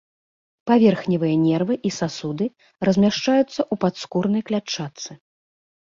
Паверхневыя нервы і сасуды размяшчаюцца ў падскурнай клятчатцы.